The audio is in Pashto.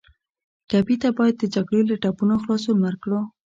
ټپي ته باید د جګړې له ټپونو خلاصون ورکړو.